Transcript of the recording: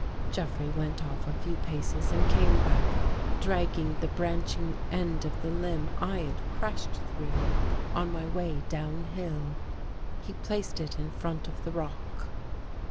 Jeffrey went off a few paces and came back drag ging the branching end of the limb I had crashed through on my way down hill. He placed it in front of the rock.